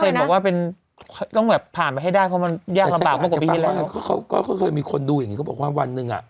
แย่งหมดเลยล่ะค่ะ